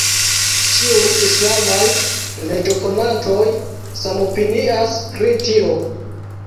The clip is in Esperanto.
Ĉiuj islamaj leĝokonantoj samopinias pri tio.